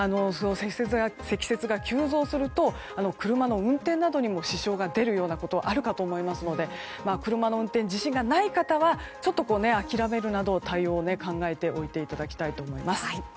積雪が急増すると車の運転などにも支障が出るようなことがあるかと思いますので車の運転に自信がない中はちょっと、諦めるなど対応を考えておいていただきたいと思います。